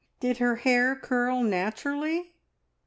Did her hair curl naturally?